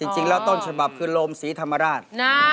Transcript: จริงแล้วต้นฉบับคือโรมศรีธรรมราช